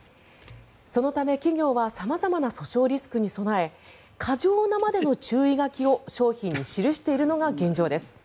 そのため、企業は様々な訴訟リスクに備え過剰なまでの注意書きを商品に記しているのが現状です。